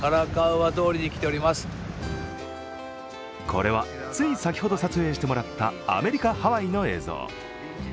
これは、つい先ほど撮影してもらったアメリカ・ハワイの映像。